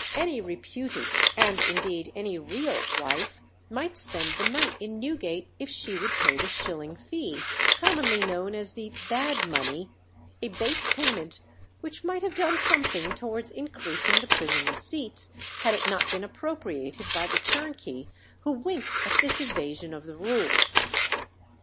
Any reputed, and indeed any real, wife might spend the night in Newgate if she would pay the shilling fee, commonly known as the "bad money," a base payment which might have done something towards increasing the prison receipts, had it not been appropriated by the turnkey who winked at this evasion of the rules.